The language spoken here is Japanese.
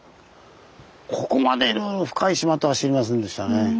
ここまでいろいろ深い島とは知りませんでしたね。